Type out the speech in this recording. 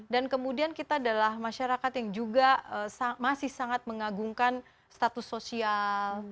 dan kemudian kita adalah masyarakat yang juga masih sangat mengagungkan status sosial